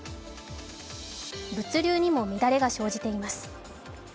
物流にも乱れが生じています。